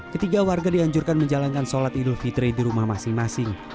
ketiga warga dianjurkan menjalankan sholat idul fitri di rumah masing masing